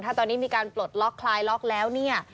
ถ้าตอนนี้มีการปลดล็อกคลายล็อกแล้วเนี่ย